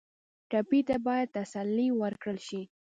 ټپي ته باید تسلي ورکړل شي.